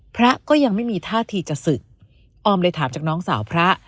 พระก็ยังไม่มีท่าทีจะศึกออมเลยถามจากน้องสาวพระ